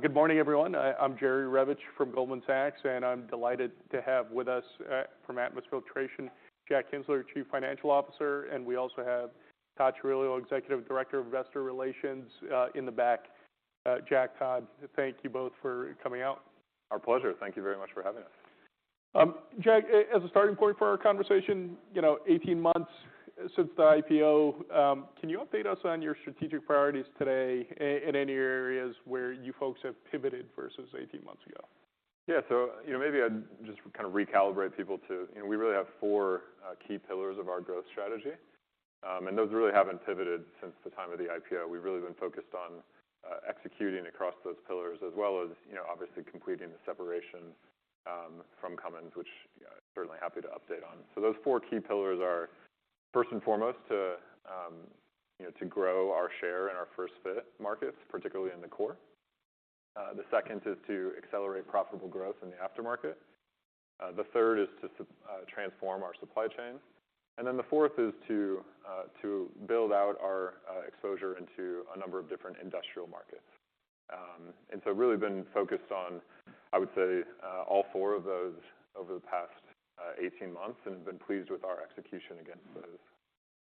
Good morning, everyone. I'm Jerry Revich from Goldman Sachs, and I'm delighted to have with us from Atmus Filtration, Jack Kienzler, Chief Financial Officer, and we also have Todd Chirillo, Executive Director of Investor Relations in the back. Jack, Todd, thank you both for coming out. Our pleasure. Thank you very much for having us. Jack, as a starting point for our conversation, you know, 18 months since the IPO, can you update us on your strategic priorities today in any areas where you folks have pivoted versus 18 months ago? Yeah, so maybe I'd just kind of recalibrate people to, you know, we really have four key pillars of our growth strategy, and those really haven't pivoted since the time of the IPO. We've really been focused on executing across those pillars, as well as, you know, obviously completing the separation from Cummins, which I'm certainly happy to update on. So those four key pillars are, first and foremost, to grow our share in our first-fit markets, particularly in the core. The second is to accelerate profitable growth in the aftermarket. The third is to transform our supply chain. And then the fourth is to build out our exposure into a number of different industrial markets. And so I've really been focused on, I would say, all four of those over the past 18 months and have been pleased with our execution against those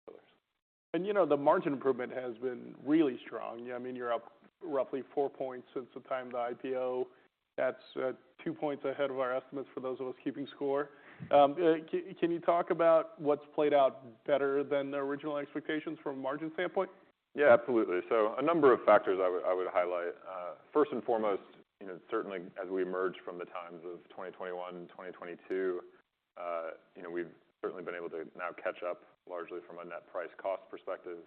pillars. You know, the margin improvement has been really strong. I mean, you're up roughly four points since the time of the IPO. That's two points ahead of our estimates for those of us keeping score. Can you talk about what's played out better than the original expectations from a margin standpoint? Yeah, absolutely. So a number of factors I would highlight. First and foremost, certainly as we emerged from the times of 2021, 2022, we've certainly been able to now catch up largely from a net price-cost perspective,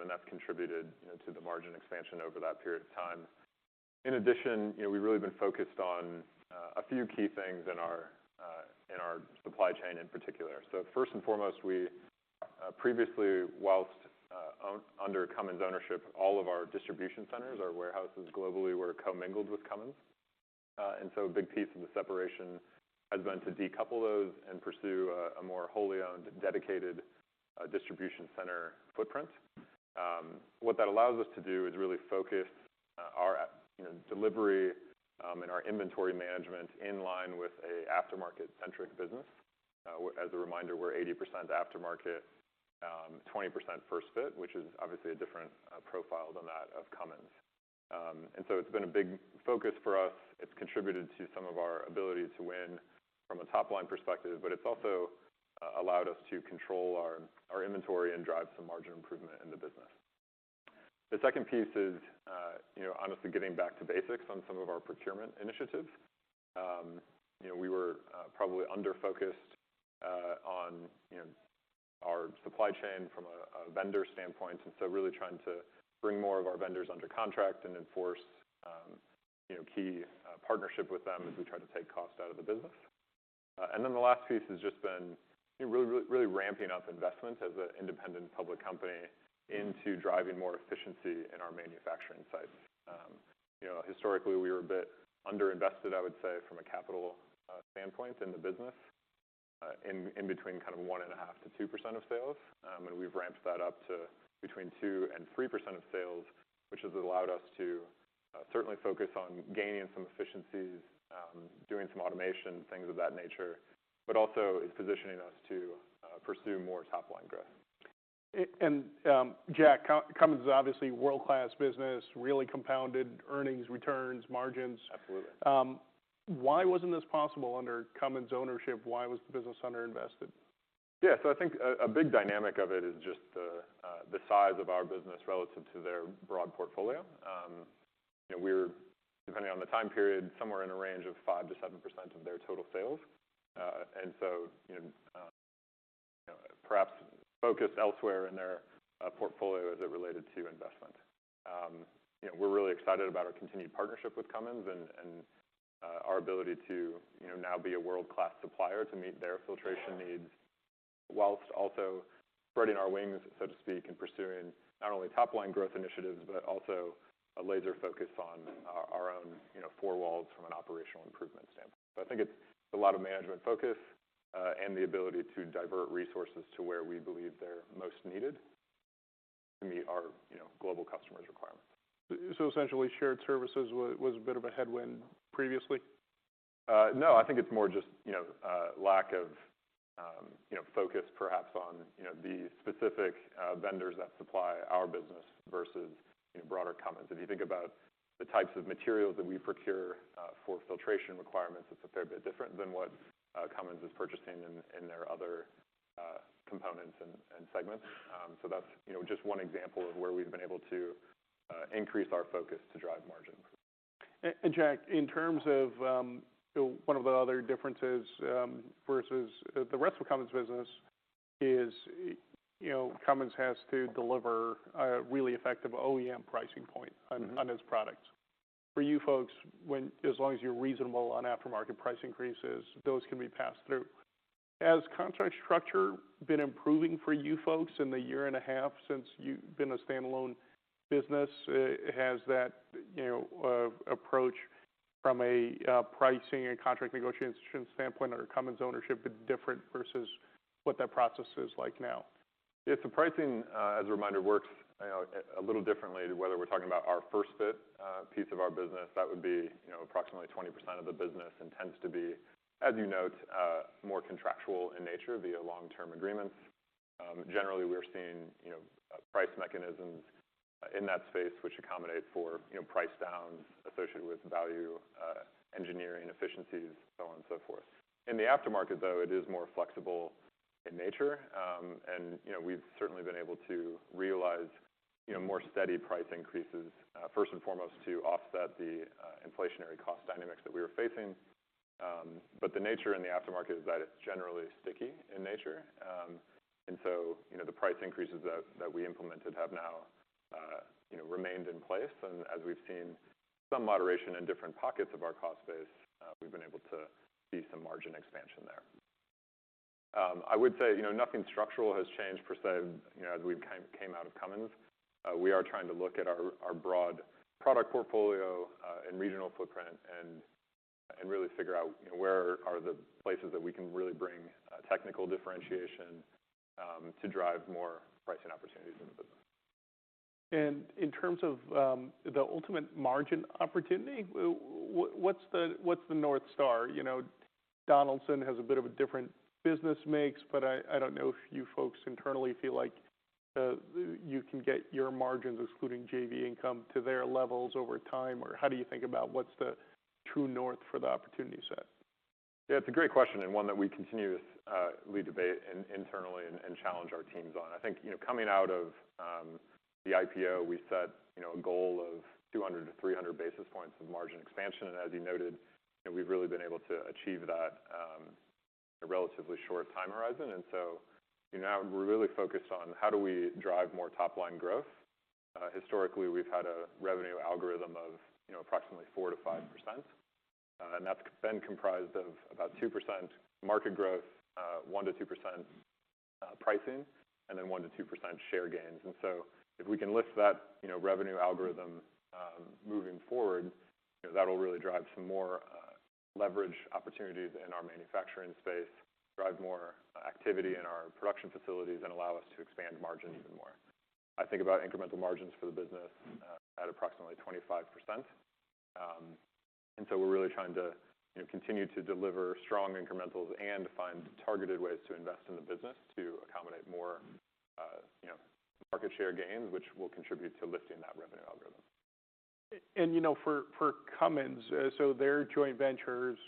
and that's contributed to the margin expansion over that period of time. In addition, we've really been focused on a few key things in our supply chain in particular. So first and foremost, we previously, while under Cummins ownership, all of our distribution centers, our warehouses globally, were co-mingled with Cummins. And so a big piece of the separation has been to decouple those and pursue a more wholly owned, dedicated distribution center footprint. What that allows us to do is really focus our delivery and our inventory management in line with an aftermarket-centric business. As a reminder, we're 80% aftermarket, 20% first-fit, which is obviously a different profile than that of Cummins. And so it's been a big focus for us. It's contributed to some of our ability to win from a top-line perspective, but it's also allowed us to control our inventory and drive some margin improvement in the business. The second piece is, honestly, getting back to basics on some of our procurement initiatives. We were probably under-focused on our supply chain from a vendor standpoint, and so really trying to bring more of our vendors under contract and enforce key partnership with them as we try to take cost out of the business. And then the last piece has just been really ramping up investment as an independent public company into driving more efficiency in our manufacturing sites. Historically, we were a bit under-invested, I would say, from a capital standpoint in the business, in between kind of 1.5%-2% of sales, and we've ramped that up to between 2% and 3% of sales, which has allowed us to certainly focus on gaining some efficiencies, doing some automation, things of that nature, but also is positioning us to pursue more top-line growth. Jack, Cummins is obviously a world-class business, really compounded earnings, returns, margins. Absolutely. Why wasn't this possible under Cummins ownership? Why was the business under-invested? Yeah, so I think a big dynamic of it is just the size of our business relative to their broad portfolio. We're, depending on the time period, somewhere in a range of 5%-7% of their total sales. And so perhaps focused elsewhere in their portfolio as it related to investment. We're really excited about our continued partnership with Cummins and our ability to now be a world-class supplier to meet their filtration needs, while also spreading our wings, so to speak, and pursuing not only top-line growth initiatives, but also a laser focus on our own four walls from an operational improvement standpoint. So I think it's a lot of management focus and the ability to divert resources to where we believe they're most needed to meet our global customers' requirements. So essentially, shared services was a bit of a headwind previously? No, I think it's more just lack of focus, perhaps, on the specific vendors that supply our business versus broader Cummins. If you think about the types of materials that we procure for filtration requirements, it's a fair bit different than what Cummins is purchasing in their other components and segments. So that's just one example of where we've been able to increase our focus to drive margin improvement. Jack, in terms of one of the other differences versus the rest of Cummins' business is Cummins has to deliver a really effective OEM pricing point on its products. For you folks, as long as you're reasonable on aftermarket price increases, those can be passed through. Has contract structure been improving for you folks in the year and a half since you've been a standalone business? Has that approach from a pricing and contract negotiation standpoint under Cummins ownership been different versus what that process is like now? If the pricing, as a reminder, works a little differently to whether we're talking about our first-fit piece of our business, that would be approximately 20% of the business and tends to be, as you note, more contractual in nature via long-term agreements. Generally, we're seeing price mechanisms in that space which accommodate for price-downs associated with value engineering efficiencies, so on and so forth. In the aftermarket, though, it is more flexible in nature, and we've certainly been able to realize more steady price increases, first and foremost, to offset the inflationary cost dynamics that we were facing. But the nature in the aftermarket is that it's generally sticky in nature. And so the price increases that we implemented have now remained in place. And as we've seen some moderation in different pockets of our cost base, we've been able to see some margin expansion there. I would say nothing structural has changed per se as we've came out of Cummins. We are trying to look at our broad product portfolio and regional footprint and really figure out where are the places that we can really bring technical differentiation to drive more pricing opportunities in the business. In terms of the ultimate margin opportunity, what's the North Star? Donaldson has a bit of a different business mix, but I don't know if you folks internally feel like you can get your margins, excluding JV income, to their levels over time, or how do you think about what's the true north for the opportunity set? Yeah, it's a great question and one that we continue to lead debate internally and challenge our teams on. I think coming out of the IPO, we set a goal of 200-300 basis points of margin expansion. And as you noted, we've really been able to achieve that in a relatively short time horizon. And so now we're really focused on how do we drive more top-line growth. Historically, we've had a revenue algorithm of approximately 4%-5%, and that's been comprised of about 2% market growth, 1%-2% pricing, and then 1%-2% share gains. And so if we can lift that revenue algorithm moving forward, that'll really drive some more leverage opportunities in our manufacturing space, drive more activity in our production facilities, and allow us to expand margins even more. I think about incremental margins for the business at approximately 25%. We're really trying to continue to deliver strong incrementals and find targeted ways to invest in the business to accommodate more market share gains, which will contribute to lifting that revenue algorithm. And for Cummins, so their joint ventures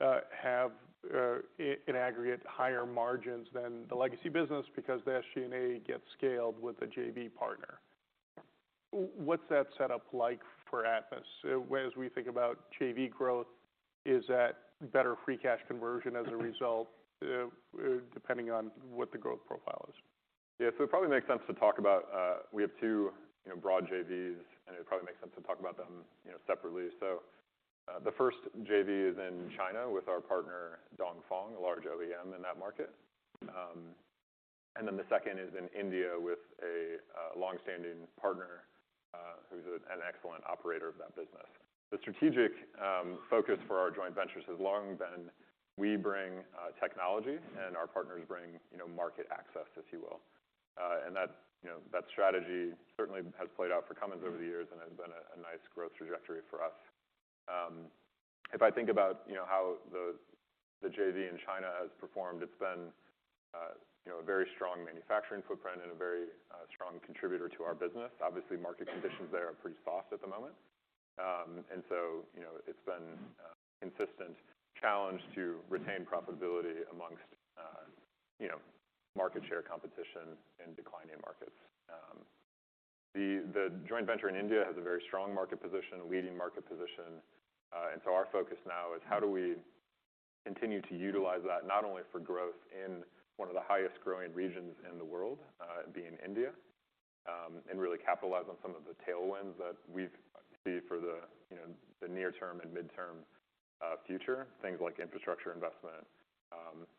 have an aggregate higher margins than the legacy business because the SG&A gets scaled with a JV partner. What's that setup like for Atmus? As we think about JV growth, is that better free cash conversion as a result, depending on what the growth profile is? Yeah, so it probably makes sense to talk about we have two broad JVs, and it would probably make sense to talk about them separately. So the first JV is in China with our partner, Dongfeng, a large OEM in that market. And then the second is in India with a longstanding partner who's an excellent operator of that business. The strategic focus for our joint ventures has long been we bring technology and our partners bring market access, if you will. And that strategy certainly has played out for Cummins over the years and has been a nice growth trajectory for us. If I think about how the JV in China has performed, it's been a very strong manufacturing footprint and a very strong contributor to our business. Obviously, market conditions there are pretty soft at the moment. And so it's been a consistent challenge to retain profitability amongst market share competition in declining markets. The joint venture in India has a very strong market position, a leading market position. And so our focus now is how do we continue to utilize that not only for growth in one of the highest-growing regions in the world, being India, and really capitalize on some of the tailwinds that we see for the near-term and mid-term future, things like infrastructure investment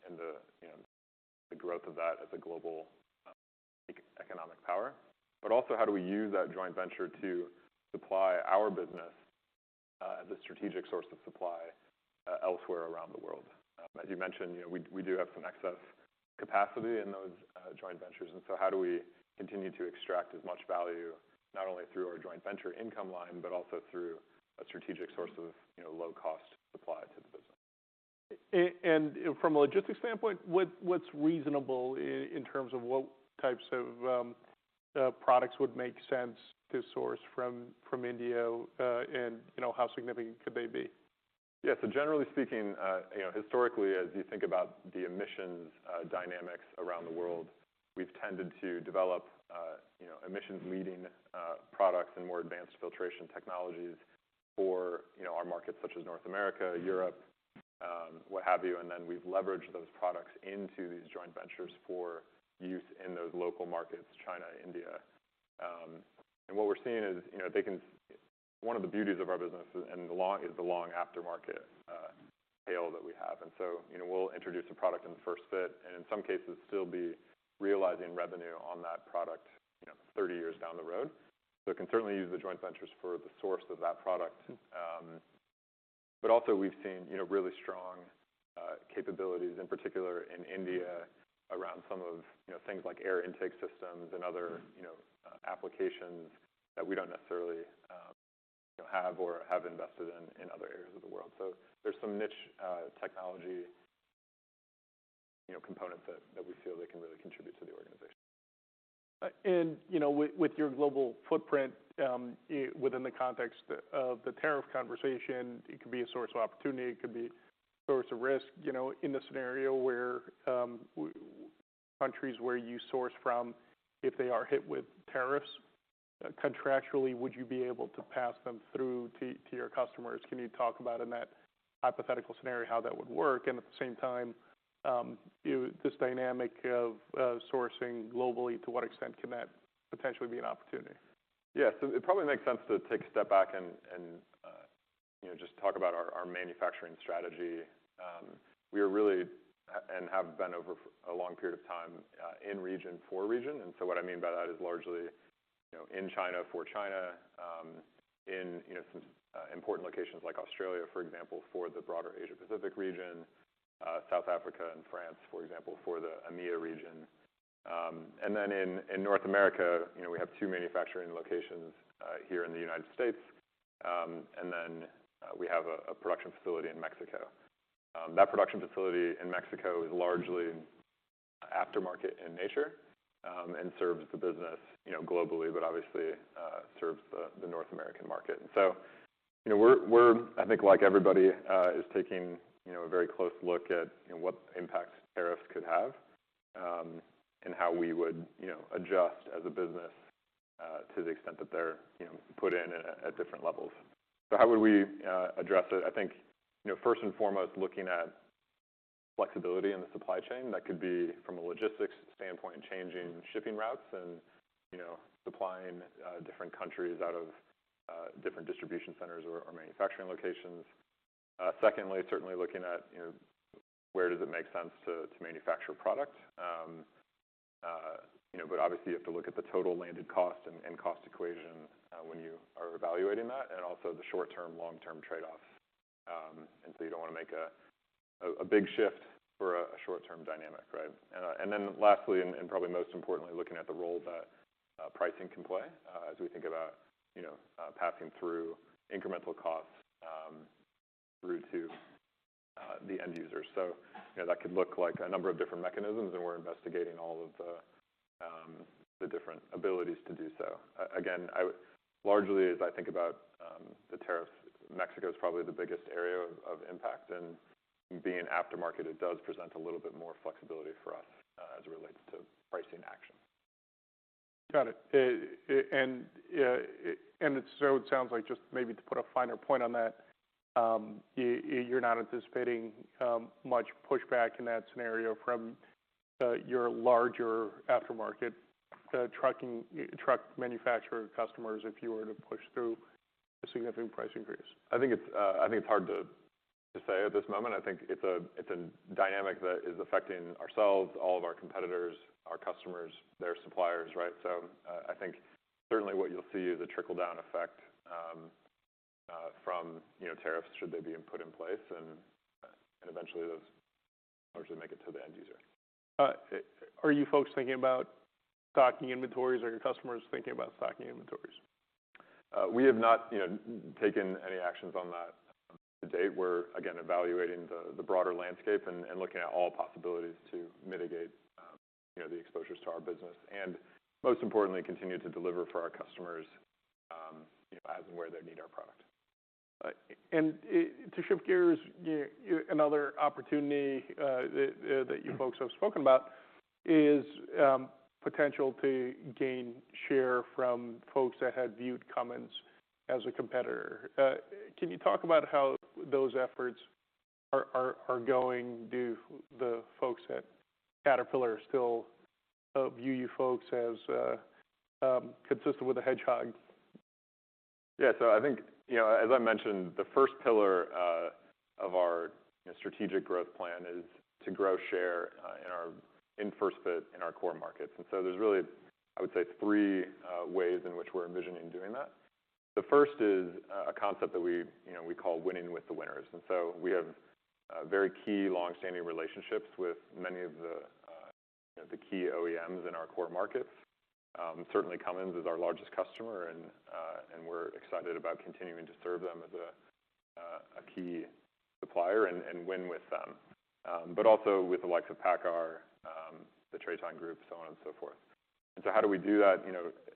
and the growth of that as a global economic power? But also how do we use that joint venture to supply our business as a strategic source of supply elsewhere around the world? As you mentioned, we do have some excess capacity in those joint ventures. How do we continue to extract as much value, not only through our joint venture income line, but also through a strategic source of low-cost supply to the business? From a logistics standpoint, what's reasonable in terms of what types of products would make sense to source from India and how significant could they be? Yeah, so generally speaking, historically, as you think about the emissions dynamics around the world, we've tended to develop emissions-leading products and more advanced filtration technologies for our markets, such as North America, Europe, what have you. And then we've leveraged those products into these joint ventures for use in those local markets, China, India. And what we're seeing is one of the beauties of our business is the long aftermarket tail that we have. And so we'll introduce a product in the first fit and in some cases still be realizing revenue on that product 30 years down the road. So it can certainly use the joint ventures for the source of that product. But also we've seen really strong capabilities, in particular in India, around some of things like air intake systems and other applications that we don't necessarily have or have invested in other areas of the world. So there's some niche technology components that we feel they can really contribute to the organization. And with your global footprint within the context of the tariff conversation, it could be a source of opportunity, it could be a source of risk. In the scenario where countries where you source from, if they are hit with tariffs, contractually, would you be able to pass them through to your customers? Can you talk about in that hypothetical scenario how that would work? And at the same time, this dynamic of sourcing globally, to what extent can that potentially be an opportunity? Yeah, so it probably makes sense to take a step back and just talk about our manufacturing strategy. We are really and have been over a long period of time in region for region. And so what I mean by that is largely in China for China, in some important locations like Australia, for example, for the broader Asia-Pacific region, South Africa and France, for example, for the EMEA region. And then in North America, we have two manufacturing locations here in the United States, and then we have a production facility in Mexico. That production facility in Mexico is largely aftermarket in nature and serves the business globally, but obviously serves the North American market. And so we're, I think like everybody, is taking a very close look at what impacts tariffs could have and how we would adjust as a business to the extent that they're put in at different levels. So how would we address it? I think first and foremost, looking at flexibility in the supply chain. That could be from a logistics standpoint, changing shipping routes and supplying different countries out of different distribution centers or manufacturing locations. Secondly, certainly looking at where does it make sense to manufacture product. But obviously, you have to look at the total landed cost and cost equation when you are evaluating that and also the short-term, long-term trade-offs. And so you don't want to make a big shift for a short-term dynamic, right? And then lastly, and probably most importantly, looking at the role that pricing can play as we think about passing through incremental costs through to the end users. So that could look like a number of different mechanisms, and we're investigating all of the different abilities to do so. Again, largely as I think about the tariffs, Mexico is probably the biggest area of impact. And being aftermarket, it does present a little bit more flexibility for us as it relates to pricing action. Got it. And so it sounds like just maybe to put a finer point on that, you're not anticipating much pushback in that scenario from your larger aftermarket truck manufacturer customers if you were to push through a significant price increase? I think it's hard to say at this moment. I think it's a dynamic that is affecting ourselves, all of our competitors, our customers, their suppliers, right? So I think certainly what you'll see is a trickle-down effect from tariffs should they be put in place and eventually those largely make it to the end user. Are you folks thinking about stocking inventories or your customers thinking about stocking inventories? We have not taken any actions on that to date. We're, again, evaluating the broader landscape and looking at all possibilities to mitigate the exposures to our business and most importantly, continue to deliver for our customers as and where they need our product. And to shift gears, another opportunity that you folks have spoken about is potential to gain share from folks that had viewed Cummins as a competitor. Can you talk about how those efforts are going? Do the folks at Caterpillar still view you folks as consistent with a hedgehog? Yeah, so I think, as I mentioned, the first pillar of our strategic growth plan is to grow share in first-fit in our core markets. And so there's really, I would say, three ways in which we're envisioning doing that. The first is a concept that we call winning with the winners. And so we have very key longstanding relationships with many of the key OEMs in our core markets. Certainly, Cummins is our largest customer, and we're excited about continuing to serve them as a key supplier and win with them, but also with the likes of PACCAR, the TRATON GROUP, so on and so forth. And so how do we do that?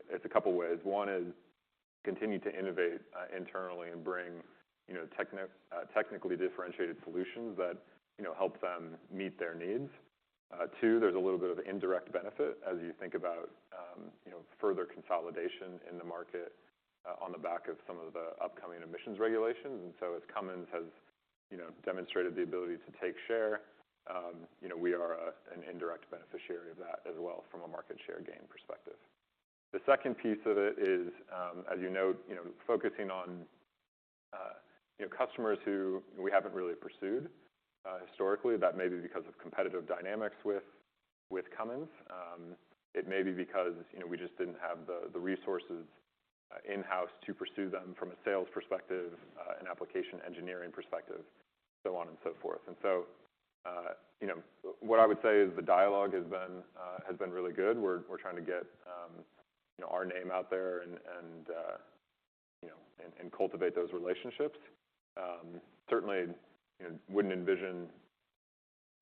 It's a couple of ways. One is to continue to innovate internally and bring technically differentiated solutions that help them meet their needs. Two, there's a little bit of indirect benefit as you think about further consolidation in the market on the back of some of the upcoming emissions regulations. And so as Cummins has demonstrated the ability to take share, we are an indirect beneficiary of that as well from a market share gain perspective. The second piece of it is, as you note, focusing on customers who we haven't really pursued historically. That may be because of competitive dynamics with Cummins. It may be because we just didn't have the resources in-house to pursue them from a sales perspective, an application engineering perspective, so on and so forth. And so what I would say is the dialogue has been really good. We're trying to get our name out there and cultivate those relationships. Certainly, wouldn't envision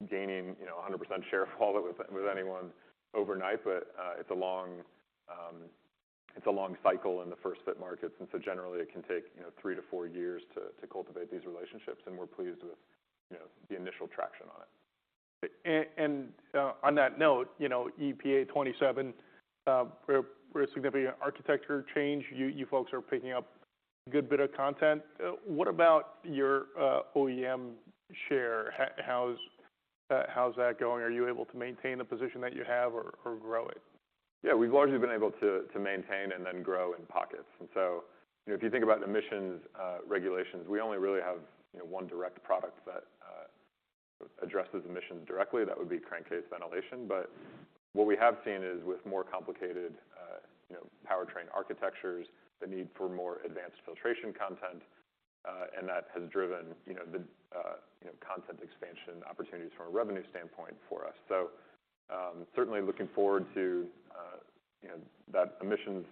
gaining 100% share with anyone overnight, but it's a long cycle in the first-fit markets, and so generally, it can take three to four years to cultivate these relationships, and we're pleased with the initial traction on it. And on that note, EPA 27, we're a significant architecture change. You folks are picking up a good bit of content. What about your OEM share? How's that going? Are you able to maintain the position that you have or grow it? Yeah, we've largely been able to maintain and then grow in pockets. So if you think about emissions regulations, we only really have one direct product that addresses emissions directly. That would be crankcase ventilation. But what we have seen is with more complicated powertrain architectures, the need for more advanced filtration content, and that has driven the content expansion opportunities from a revenue standpoint for us. Certainly looking forward to that emissions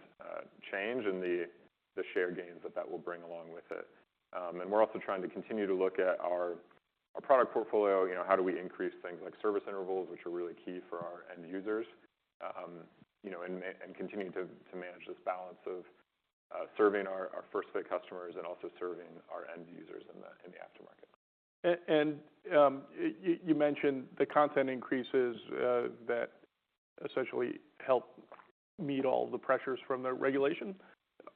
change and the share gains that that will bring along with it. We're also trying to continue to look at our product portfolio. How do we increase things like service intervals, which are really key for our end users, and continue to manage this balance of serving our first fit customers and also serving our end users in the aftermarket? You mentioned the content increases that essentially help meet all the pressures from the regulation.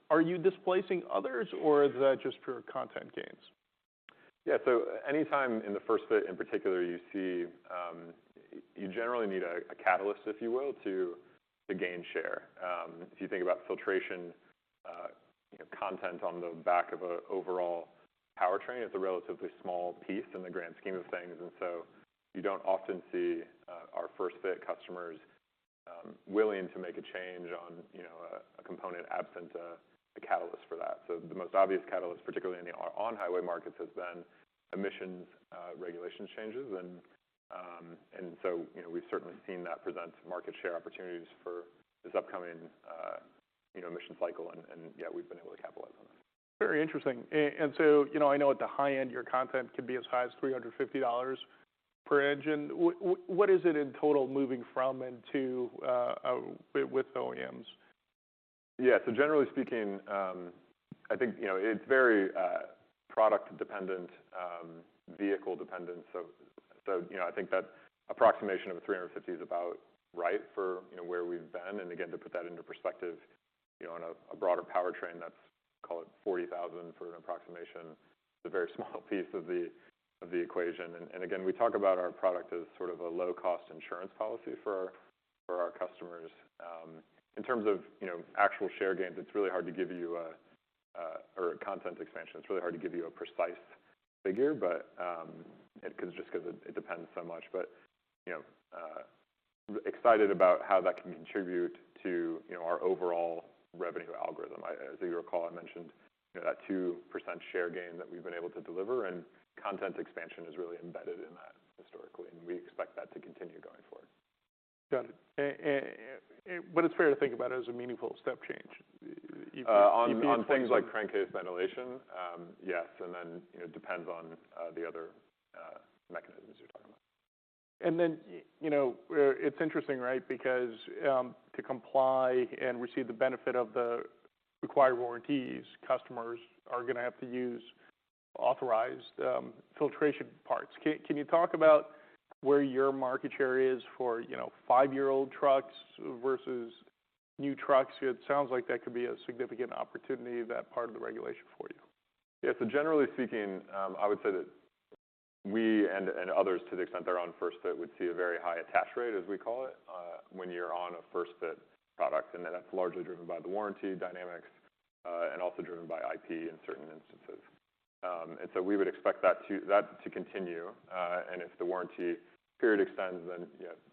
Are you displacing others, or is that just pure content gains? Yeah, so anytime in the first fit in particular, you generally need a catalyst, if you will, to gain share. If you think about filtration content on the back of an overall powertrain, it's a relatively small piece in the grand scheme of things. And so you don't often see our first fit customers willing to make a change on a component absent a catalyst for that. So the most obvious catalyst, particularly in the on-highway markets, has been emissions regulation changes. And so we've certainly seen that present market share opportunities for this upcoming emission cycle. And yeah, we've been able to capitalize on that. Very interesting, and so I know at the high end, your content can be as high as $350 per engine. What is it in total moving from and to with OEMs? Yeah, so generally speaking, I think it's very product-dependent, vehicle-dependent, so I think that approximation of $350 is about right for where we've been. And again, to put that into perspective on a broader powertrain, that's, call it, $40,000 for an approximation, the very small piece of the equation. And again, we talk about our product as sort of a low-cost insurance policy for our customers. In terms of actual share gains, it's really hard to give you a content expansion. It's really hard to give you a precise figure because it depends so much, but excited about how that can contribute to our overall revenue algorithm. As you recall, I mentioned that 2% share gain that we've been able to deliver, and content expansion is really embedded in that historically, and we expect that to continue going forward. Got it. But it's fair to think about it as a meaningful step change. On things like crankcase ventilation, yes. And then it depends on the other mechanisms you're talking about. And then it's interesting, right, because to comply and receive the benefit of the required warranties, customers are going to have to use authorized filtration parts. Can you talk about where your market share is for five-year-old trucks versus new trucks? It sounds like that could be a significant opportunity, that part of the regulation for you. Yeah, so generally speaking, I would say that we and others, to the extent they're on first fit, would see a very high attach rate, as we call it, when you're on a first fit product. And that's largely driven by the warranty dynamics and also driven by IP in certain instances. And so we would expect that to continue. And if the warranty period extends, then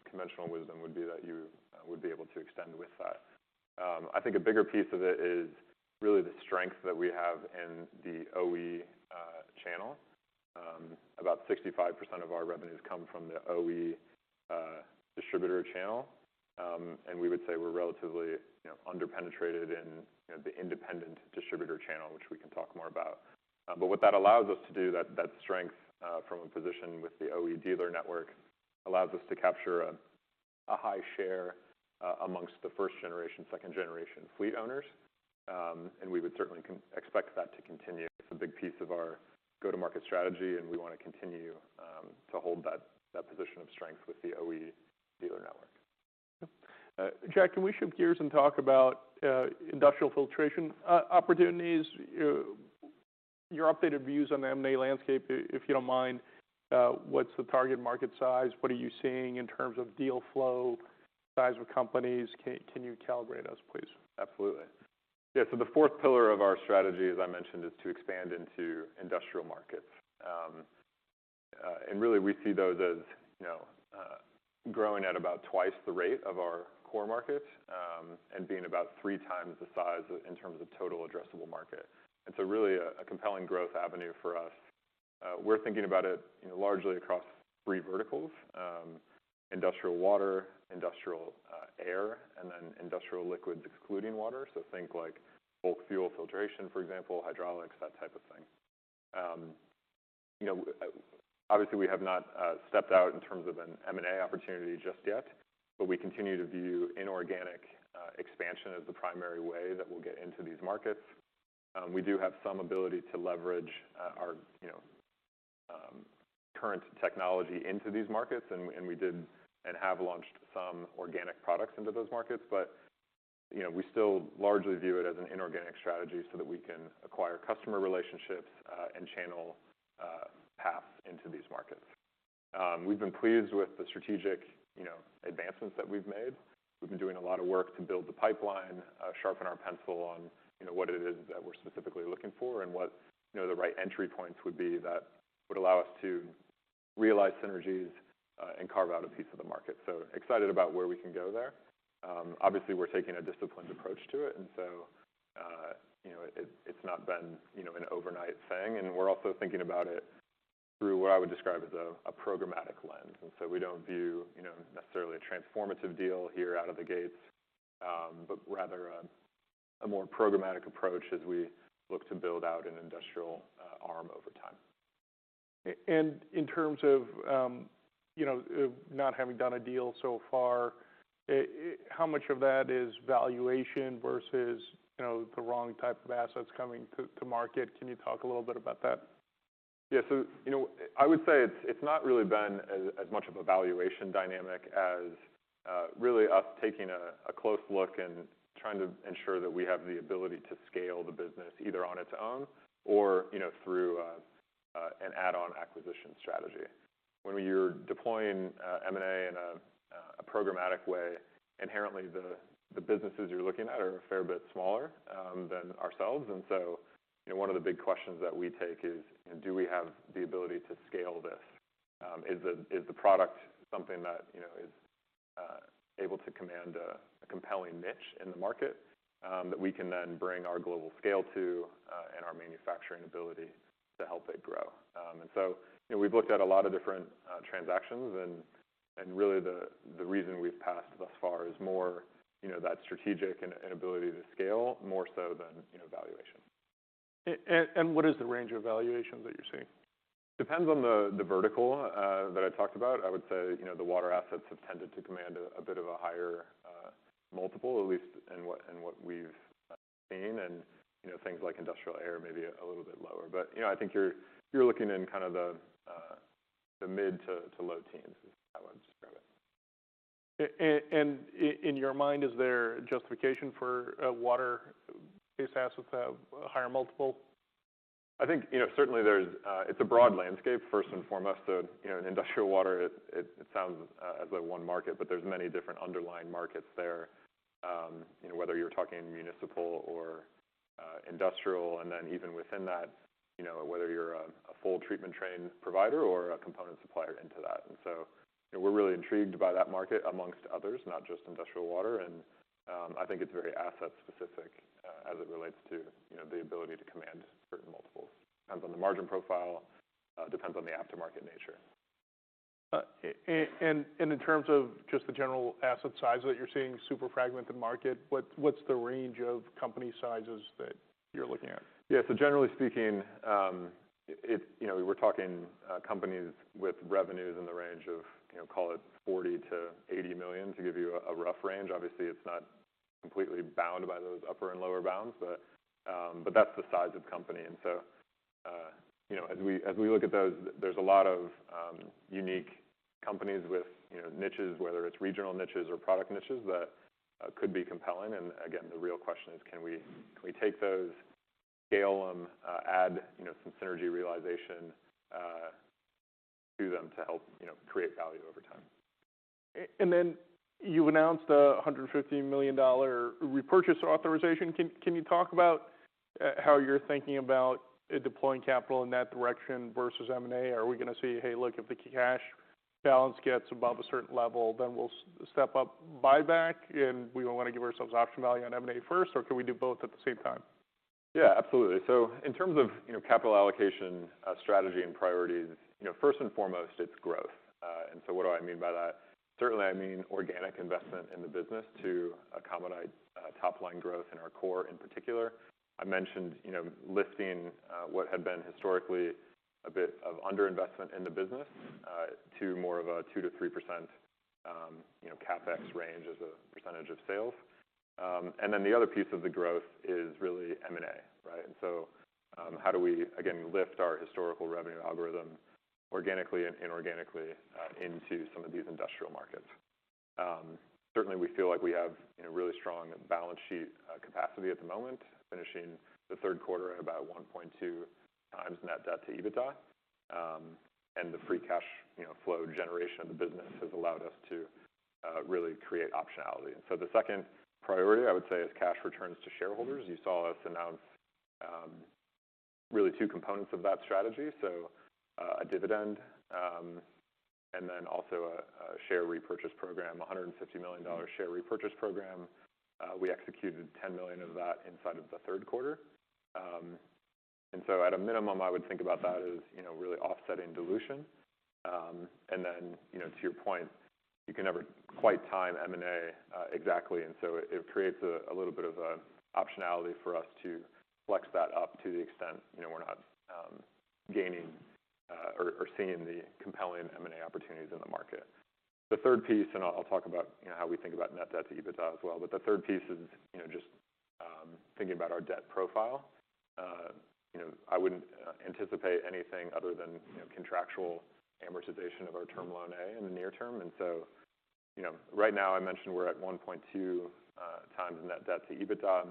conventional wisdom would be that you would be able to extend with that. I think a bigger piece of it is really the strength that we have in the OE channel. About 65% of our revenues come from the OE distributor channel. And we would say we're relatively underpenetrated in the independent distributor channel, which we can talk more about. What that allows us to do, that strength from a position with the OE dealer network, allows us to capture a high share amongst the first-generation, second-generation fleet owners. We would certainly expect that to continue. It's a big piece of our go-to-market strategy, and we want to continue to hold that position of strength with the OE dealer network. Jack, can we shift gears and talk about industrial filtration opportunities? Your updated views on the M&A landscape, if you don't mind. What's the target market size? What are you seeing in terms of deal flow, size of companies? Can you calibrate us, please? Absolutely. Yeah, so the fourth pillar of our strategy, as I mentioned, is to expand into industrial markets, and really, we see those as growing at about twice the rate of our core markets and being about three times the size in terms of total addressable market. It's really a compelling growth avenue for us. We're thinking about it largely across three verticals: industrial water, industrial air, and then industrial liquids excluding water. So think like bulk fuel filtration, for example, hydraulics, that type of thing. Obviously, we have not stepped out in terms of an M&A opportunity just yet, but we continue to view inorganic expansion as the primary way that we'll get into these markets. We do have some ability to leverage our current technology into these markets, and we did and have launched some organic products into those markets. But we still largely view it as an inorganic strategy so that we can acquire customer relationships and channel paths into these markets. We've been pleased with the strategic advancements that we've made. We've been doing a lot of work to build the pipeline, sharpen our pencil on what it is that we're specifically looking for and what the right entry points would be that would allow us to realize synergies and carve out a piece of the market. So excited about where we can go there. Obviously, we're taking a disciplined approach to it, and so it's not been an overnight thing. And we're also thinking about it through what I would describe as a programmatic lens. And so we don't view necessarily a transformative deal here out of the gates, but rather a more programmatic approach as we look to build out an industrial arm over time. In terms of not having done a deal so far, how much of that is valuation versus the wrong type of assets coming to market? Can you talk a little bit about that? Yeah, so I would say it's not really been as much of a valuation dynamic as really us taking a close look and trying to ensure that we have the ability to scale the business either on its own or through an add-on acquisition strategy. When you're deploying M&A in a programmatic way, inherently, the businesses you're looking at are a fair bit smaller than ourselves. And so one of the big questions that we take is, do we have the ability to scale this? Is the product something that is able to command a compelling niche in the market that we can then bring our global scale to and our manufacturing ability to help it grow? And so we've looked at a lot of different transactions. And really, the reason we've passed thus far is more that strategic and ability to scale more so than valuation. What is the range of valuation that you're seeing? Depends on the vertical that I talked about. I would say the water assets have tended to command a bit of a higher multiple, at least in what we've seen, and things like industrial air may be a little bit lower, but I think you're looking in kind of the mid to low teens, is how I would describe it. In your mind, is there justification for water-based assets to have a higher multiple? I think certainly it's a broad landscape, first and foremost. So industrial water, it sounds like one market, but there's many different underlying markets there, whether you're talking municipal or industrial. And then even within that, whether you're a full treatment train provider or a component supplier into that. And so we're really intrigued by that market amongst others, not just industrial water. And I think it's very asset-specific as it relates to the ability to command certain multiples. Depends on the margin profile, depends on the aftermarket nature. And in terms of just the general asset size that you're seeing, super fragmented market, what's the range of company sizes that you're looking at? Yeah, so generally speaking, we're talking companies with revenues in the range of, call it $40 million-$80 million, to give you a rough range. Obviously, it's not completely bound by those upper and lower bounds, but that's the size of the company. And again, the real question is, can we take those, scale them, add some synergy realization to them to help create value over time? And then you announced a $150 million repurchase authorization. Can you talk about how you're thinking about deploying capital in that direction versus M&A? Are we going to see, hey, look, if the cash balance gets above a certain level, then we'll step up buyback, and we want to give ourselves option value on M&A first, or can we do both at the same time? Yeah, absolutely. So in terms of capital allocation strategy and priorities, first and foremost, it's growth. And so what do I mean by that? Certainly, I mean organic investment in the business to accommodate top-line growth in our core in particular. I mentioned lifting what had been historically a bit of underinvestment in the business to more of a 2%-3% CapEx range as a percentage of sales. And then the other piece of the growth is really M&A, right? And so how do we, again, lift our historical revenue algorithm organically and inorganically into some of these industrial markets? Certainly, we feel like we have really strong balance sheet capacity at the moment, finishing the third quarter at about 1.2 times net debt to EBITDA. And the free cash flow generation of the business has allowed us to really create optionality. The second priority, I would say, is cash returns to shareholders. You saw us announce really two components of that strategy. A dividend and then also a share repurchase program, $150 million share repurchase program. We executed 10 million of that inside of the third quarter. At a minimum, I would think about that as really offsetting dilution. To your point, you can never quite time M&A exactly. It creates a little bit of optionality for us to flex that up to the extent we're not gaining or seeing the compelling M&A opportunities in the market. The third piece, and I'll talk about how we think about net debt to EBITDA as well, but the third piece is just thinking about our debt profile. I wouldn't anticipate anything other than contractual amortization of our Term Loan A in the near term. And so right now, I mentioned we're at 1.2 times net debt to EBITDA.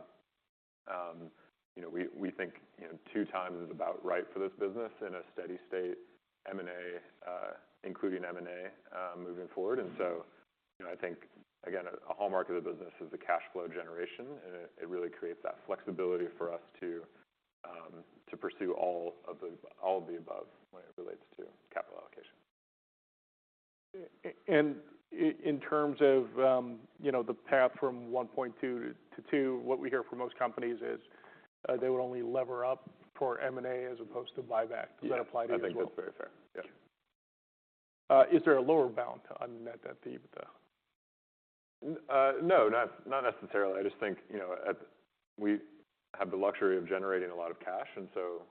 We think two times is about right for this business in a steady state including M&A moving forward. And so I think, again, a hallmark of the business is the cash flow generation. And it really creates that flexibility for us to pursue all of the above when it relates to capital allocation. In terms of the path from 1.2 to 2, what we hear from most companies is they would only lever up for M&A as opposed to buyback. Does that apply to you as well? I think that's very fair. Yeah. Is there a lower bound on net debt to EBITDA? No, not necessarily. I just think we have the luxury of generating a lot of cash. And so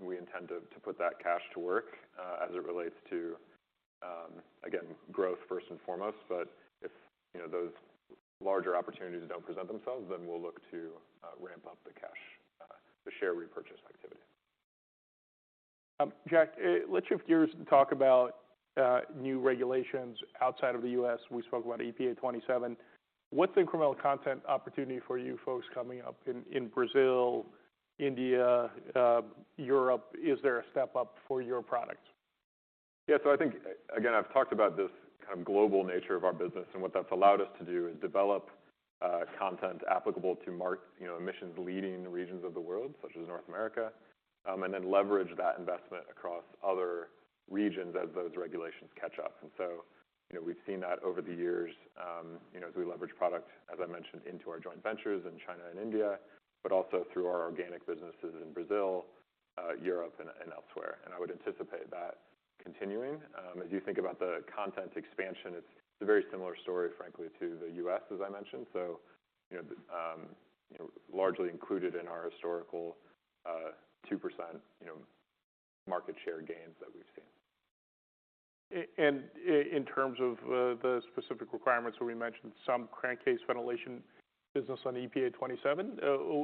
we intend to put that cash to work as it relates to, again, growth first and foremost. But if those larger opportunities don't present themselves, then we'll look to ramp up the cash, the share repurchase activity. Jack, let's shift gears and talk about new regulations outside of the U.S. We spoke about EPA 27. What's the incremental content opportunity for you folks coming up in Brazil, India, Europe? Is there a step up for your products? Yeah, so I think, again, I've talked about this kind of global nature of our business and what that's allowed us to do is develop content applicable to emissions-leading regions of the world, such as North America, and then leverage that investment across other regions as those regulations catch up. And so we've seen that over the years as we leverage product, as I mentioned, into our joint ventures in China and India, but also through our organic businesses in Brazil, Europe, and elsewhere. And I would anticipate that continuing. As you think about the content expansion, it's a very similar story, frankly, to the U.S., as I mentioned. So largely included in our historical 2% market share gains that we've seen. And in terms of the specific requirements, we mentioned some crankcase ventilation business on EPA 27.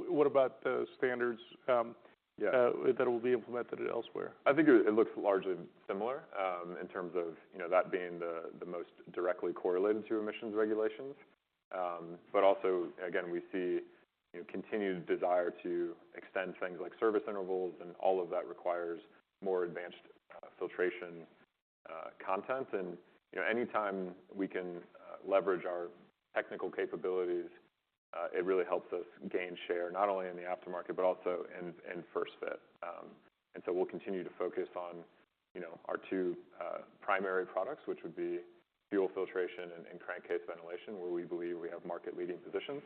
What about the standards that will be implemented elsewhere? I think it looks largely similar in terms of that being the most directly correlated to emissions regulations. But also, again, we see continued desire to extend things like service intervals, and all of that requires more advanced filtration content. And anytime we can leverage our technical capabilities, it really helps us gain share not only in the aftermarket, but also in first fit. And so we'll continue to focus on our two primary products, which would be fuel filtration and crankcase ventilation, where we believe we have market-leading positions,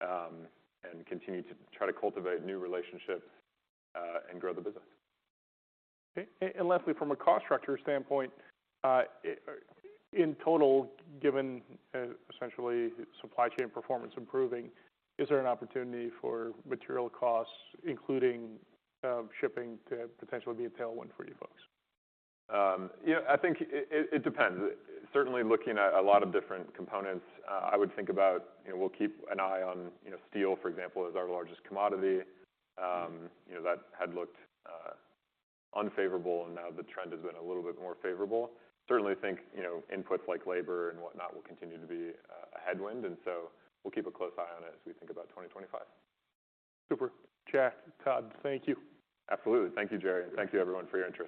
and continue to try to cultivate new relationships and grow the business. And lastly, from a cost structure standpoint, in total, given essentially supply chain performance improving, is there an opportunity for material costs, including shipping, to potentially be a tailwind for you folks? Yeah, I think it depends. Certainly, looking at a lot of different components, I would think about we'll keep an eye on steel, for example, as our largest commodity. That had looked unfavorable, and now the trend has been a little bit more favorable. Certainly, I think inputs like labor and whatnot will continue to be a headwind. And so we'll keep a close eye on it as we think about 2025. Super. Jack, Todd, thank you. Absolutely. Thank you, Jerry. And thank you, everyone, for your interest.